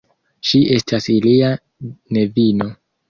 Ŝi estas ilia nevino.